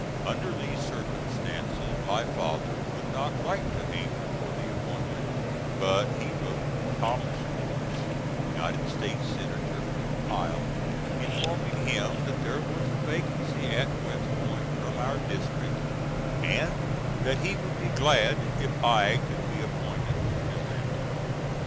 Under these circumstances my father would not write to Hamer for the appointment, but he wrote to Thomas Morris, United States Senator from Ohio, informing him that there was a vacancy at West Point from our district, and that he would be glad if I could be appointed to fill it.